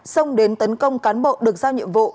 xông đến tấn công cán bộ được giao nhiệm vụ